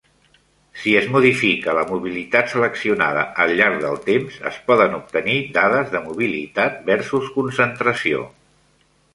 Si es modifica la mobilitat seleccionada al llarg del temps, es poden obtenir dades de mobilitat versus concentració.